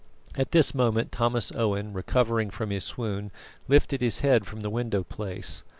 At this moment Thomas Owen, recovering from his swoon, lifted his head from the window place.